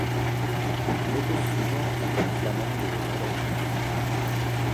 On oppose souvent école flamande et hollandaise.